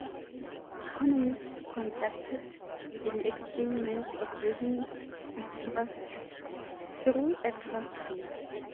Economists conducted an experiment observing distrust through a trust game.